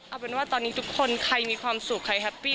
เอาเป็นว่าตอนนี้ทุกคนใครมีความสุขใครแฮปปี้